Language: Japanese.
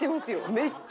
めっちゃ。